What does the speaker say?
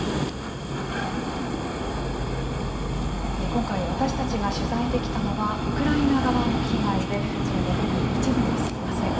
今回私たちが取材できたのはウクライナ側の被害でそれもごく一部にすぎません。